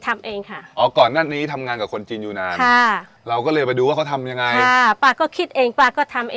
อ๋อไม่สาวแล้วค่ะลูกเยอะค่ะ